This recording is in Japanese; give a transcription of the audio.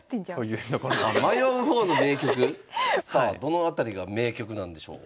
さあどの辺りが迷局なんでしょう？